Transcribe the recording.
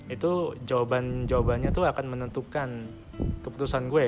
itu jawaban jawabannya tuh akan menentukan keputusan gue